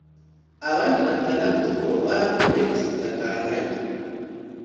abandi batandatu bo barakomeretse bidakanganye